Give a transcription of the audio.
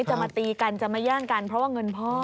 จะมาตีกันจะมาแย่งกันเพราะว่าเงินพ่อ